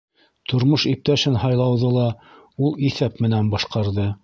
Тормош иптәшен һайлауҙы ла ул иҫәп менән башҡарҙы.